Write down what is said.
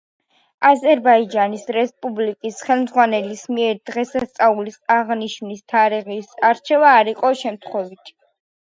აზერბაიჯანის რესპუბლიკის ხელმძღვანელის მიერ დღესასწაულის აღნიშვნის თარიღის არჩევა არ იყო შემთხვევითი.